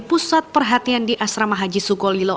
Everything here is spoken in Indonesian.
pusat perhatian di asrama haji sukolilo